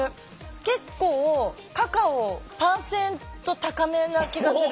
結構カカオパーセント高めな気がする。